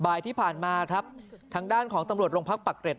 บ่ายที่ผ่านมาครับทางด้านของตำรวจโรงพักปักเกร็ด